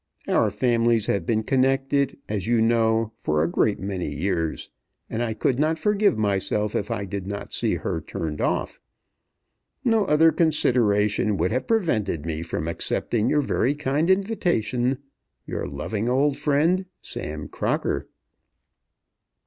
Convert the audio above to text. Our families have been connected, as you know, for a great many years, and I could not forgive myself if I did not see her turned off. No other consideration would have prevented me from accepting your very kind invitation. Your loving old friend, SAM CROCKER.